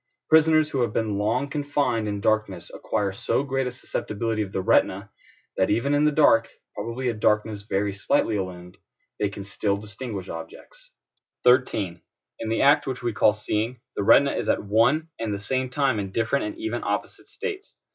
Prisoners who have been long confined in darkness acquire so great a susceptibility of the retina, that even in the dark (probably a darkness very slightly illumined) they can still distinguish objects. 13. In the act which we call seeing, the retina is at one and the same time in different and even opposite states.